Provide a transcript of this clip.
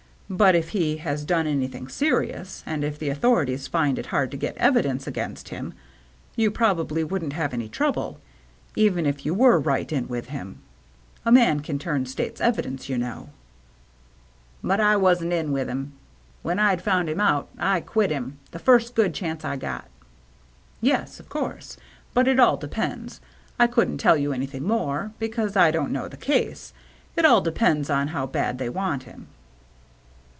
But if he has done anything serious, and if the authori ties find it hard to get evidence against him. THE RED SEAL LABEL 151 you probably wouldn't have any trouble, even if you were right in with him. A man can turn state's evidence, you know/' "But I wasn't in with 'ini. When I'd found him out, I quit him — the first good chance I got." "Yes, of course. But it all depends. I couldn't tell you anything more, because I don't know the case. It all depends on how bad they want him."